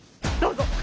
どうぞ。